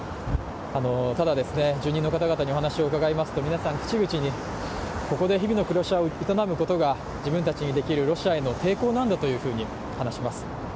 ただ、住人の方々にお話を伺いますと、口々にここで日々の暮らしを営むことが自分たちにできるロシアへの抵抗なんだと話します。